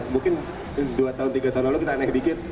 mungkin dua tiga tahun lalu kita aneh dikit